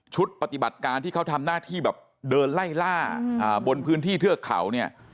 ปฏิบัติการที่เขาทำหน้าที่แบบเดินไล่ล่าบนพื้นที่เทือกเขาเนี่ย